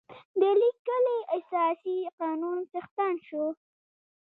د لیکلي اساسي قانون څښتن شو.